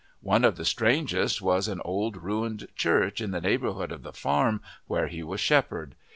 One of the strangest was an old ruined church in the neighbourhood of the farm where he was shepherd.